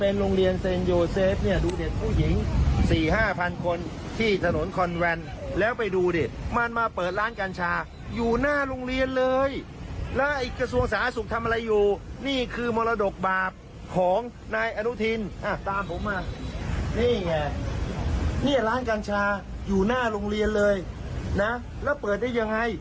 เนี้ยไงเนี้ยร้านการชาอยู่หน้าโรงเลียนเลยนะแล้วเปิดได้ยังไง